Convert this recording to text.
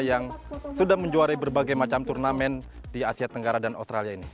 yang sudah menjuari berbagai macam turnamen di asia tenggara dan australia ini